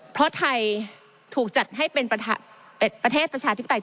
เพราะไทยถูกจัดให้เป็นประเทศประชาธิปไตย